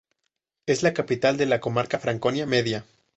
Es la capital de la comarca de Franconia Media.